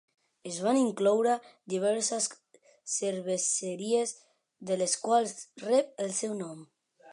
Es van incloure diverses cerveseries, de les quals rep el seu nom.